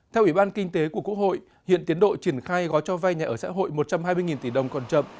theo ubk của quốc hội hiện tiến độ triển khai gói cho vai nhà ở xã hội một trăm hai mươi tỷ đồng còn chậm